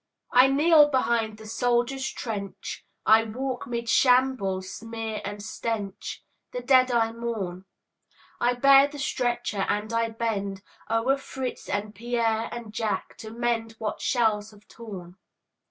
I kneel behind the soldier's trench, I walk 'mid shambles' smear and stench, The dead I mourn; I bear the stretcher and I bend O'er Fritz and Pierre and Jack to mend What shells have torn.